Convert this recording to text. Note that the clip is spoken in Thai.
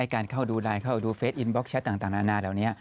การเข้าดูไลน์เข้าดูเฟสอินบล็กแชทต่างนานาเหล่านี้